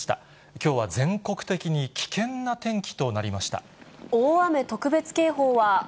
きょうは全国的に危険な天気となりました。